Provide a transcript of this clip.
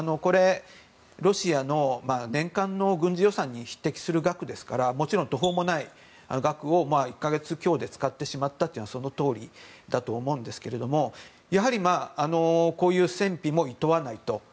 ロシアの年間の軍事予算に匹敵する額ですからもちろん途方もない額を１か月強で使ってしまったというのはそのとおりだと思うんですけれどやはりこういう戦費もいとわないと。